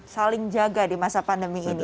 saling jaga di masa pandemi ini